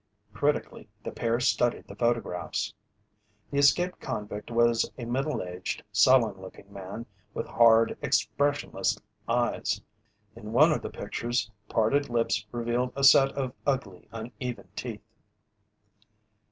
Critically, the pair studied the photographs. The escaped convict was a middle aged, sullen looking man with hard, expressionless eyes. In one of the pictures, parted lips revealed a set of ugly, uneven teeth.